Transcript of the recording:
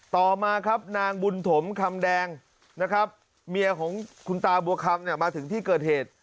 ต่อมาครับนางบุญถมคำแดงนะครับเมียของคุณตาบัวคำเนี่ยมาถึงที่เกิดเหตุ